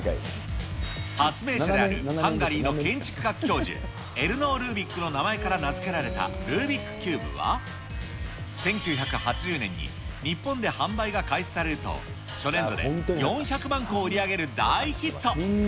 発明者であるハンガリーの建築学教授、エルノー・ルービックの名前から名付けられたルービックキューブは、１９８０年に日本で販売が開始されると、初年度で４００万個を売り上げる大ヒット。